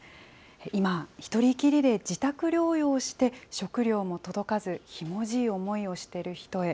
今、１人きりで自宅療養をして食料も届かず、ひもじい思いをしている人へ。